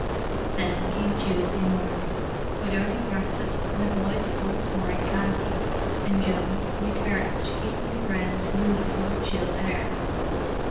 Then came Tuesday morning: with early breakfast, and the boys once more in khaki, and Jones, in the carriage, keeping the browns moving in the chill air.